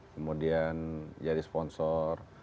kemudian jadi sponsor